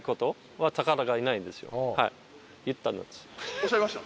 おっしゃいました？